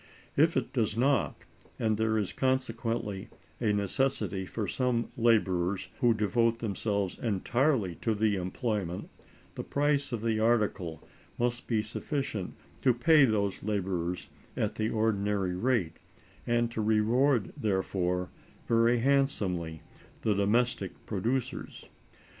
If it does not, and there is consequently a necessity for some laborers who devote themselves entirely to the employment, the price of the article must be sufficient to pay those laborers at the ordinary rate, and to reward, therefore, very handsomely the domestic producers.